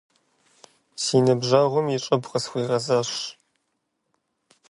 Си ныбжьэгъум и щӏыб къысхуигъэзащ.